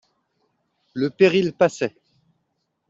Le péril passait.